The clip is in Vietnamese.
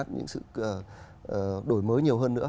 những sự đổi mới nhiều hơn nữa